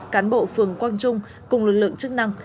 cán bộ phường quang trung cùng lực lượng chức năng